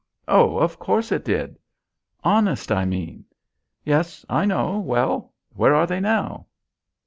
"Oh, of course, it did." "Honest, I mean." "Yes, I know; well, where are they now?"